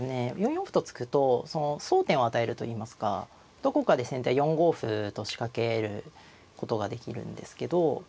４四歩と突くとその争点を与えるといいますかどこかで先手は４五歩と仕掛けることができるんですけど。